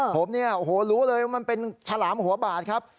ผมเนี่ยโอ้โหรู้เลยว่ามันเป็นฉลามหัวบาดครับ